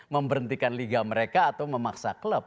memberhentikan liga mereka atau memaksa klub